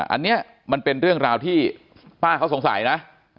อันนี้มันเป็นเรื่องราวที่ป้าเขาสงสัยนะ